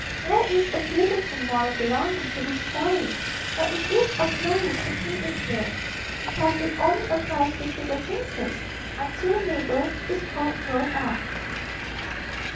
There is a beautiful moral belonging to this story, but it is of no use to print it here, because it only applies to sugar princes until Mabel is quite grown up.